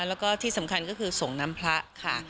แล้วก็ที่สำคัญก็คือส่งน้ำพระค่ะ